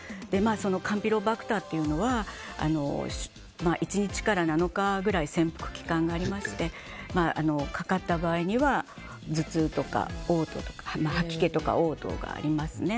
カンピロバクターというのは１日から７日ぐらい潜伏期間がありましてかかった場合には、頭痛とか吐き気とか嘔吐がありますね。